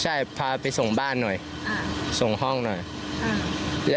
ใช่พาเขาไปส่งบ้านหน่อยส่งห้องหน่อย